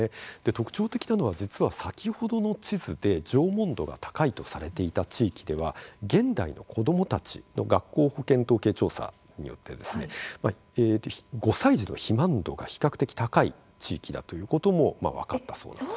特徴的なのは、実は先ほどの地図で縄文度が高いとされていた地域では現代の子どもたちの学校保健統計調査によって５歳児の肥満後が比較的高い地域だということも分かったそうなんです。